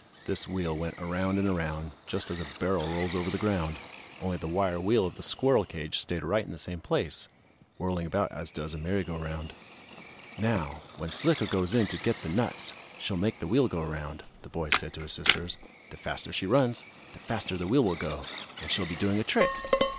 This wheel went around and around, just as a barrel rolls over the ground, only the wire wheel of the squirrel cage stayed right in the same place, whirling about as does a merry go round. "Now, when Slicko goes in to get the nuts, she'll make the wheel go around," the boy said to his sisters. "The faster she runs, the faster the wheel will go, and she'll be doing a trick."